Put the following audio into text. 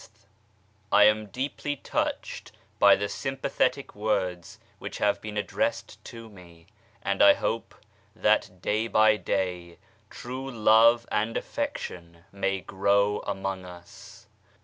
T AM deeply touched by the sympathetic words which * have been addressed to me, and I hope that day by day true love and affection may grow among us.